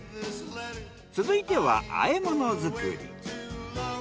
続いては和え物作り。